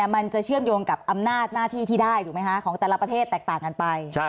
มันจะเชื่อมโยงกับอำนาจหน้าที่ที่ได้ถูกไหมคะของแต่ละประเทศแตกต่างกันไป